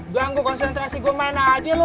ganggu konsentrasi gua main aja lu